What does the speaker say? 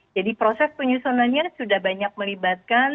jadi proses penyusunannya sudah banyak melibatkan